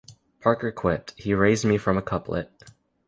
Parker quipped, He raised me from a couplet.